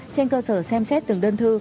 trên cơ sở xem xét từng đơn thư